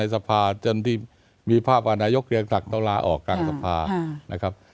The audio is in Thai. ในสภาจนที่มีภาพวาลนายกเลิกหนักเตาลาออกกลางสภาครับ